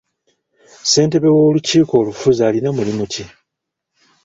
Ssentebe w'olukiiko olufuzi alina mulimu ki?